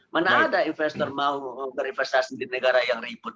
mana ada investor mau berinvestasi di negara yang ribut